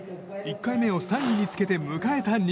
１回目を３位につけて迎えた